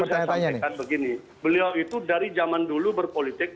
beliau itu dari zaman dulu berpolitik